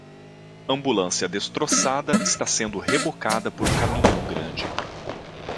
Ambulância destroçada está sendo rebocada por um caminhão grande.